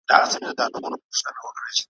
دا ځالۍ ده دبازانو ,